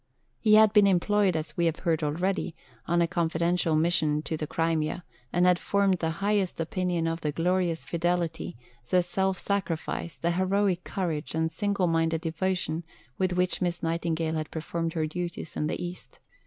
He had been employed, as we have heard already, on a confidential mission to the Crimea, and had formed the highest opinion of "the glorious fidelity, the self sacrifice, the heroic courage, and single minded devotion" with which Miss Nightingale had performed her duties in the East.